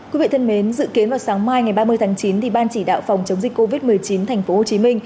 quý vị thân mến dự kiến vào sáng mai ngày ba mươi tháng chín ban chỉ đạo phòng chống dịch covid một mươi chín tp hcm